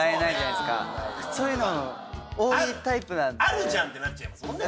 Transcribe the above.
あるじゃん！ってなっちゃいますもんね。